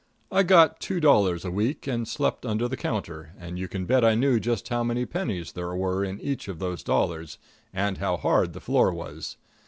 I got two dollars a week, and slept under the counter, and you can bet I knew just how many pennies there were in each of those dollars, and how hard the floor was.